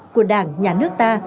của đảng nhà nước ta